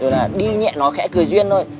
rồi là đi nhẹ nói khẽ cười duyên thôi